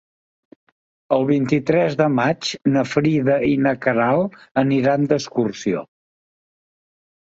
El vint-i-tres de maig na Frida i na Queralt aniran d'excursió.